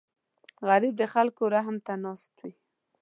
غریب د خلکو رحم ته ناست وي